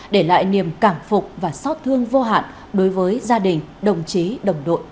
để lại niềm cảm phục và xót thương vô hạn đối với gia đình đồng chí đồng đội